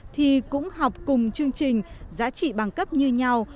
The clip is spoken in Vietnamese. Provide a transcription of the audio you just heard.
thì cũng học cùng chương trình giá trị bằng cấp như nhau